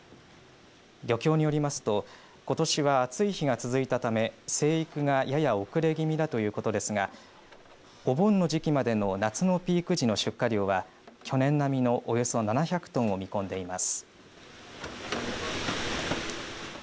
漁協によりますとことしは暑い日が続いたため成育がやや遅れ気味だということですがお盆の時期までの夏のピーク時の出荷量は去年並みのおよそ７００トンを見込んでいます。